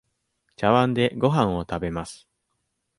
ちゃわんでごはんを食べます。